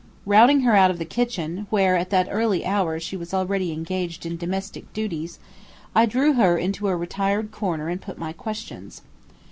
Routing her out of the kitchen, where at that early hour she was already engaged in domestic duties, I drew her into a retired corner and put my questions.